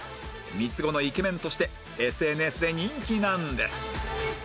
三つ子のイケメンとして ＳＮＳ で人気なんです